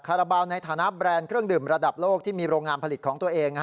ราบาลในฐานะแบรนด์เครื่องดื่มระดับโลกที่มีโรงงานผลิตของตัวเอง